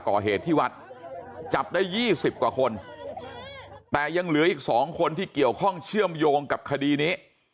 ๑๐กว่าคนแต่ยังเหลืออีก๒คนที่เกี่ยวข้องเชื่อมโยงกับคดีนี้